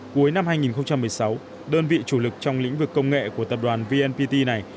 cuối năm hai nghìn một mươi sáu đơn vị chủ lực trong lĩnh vực công nghệ của tập đoàn vnpt này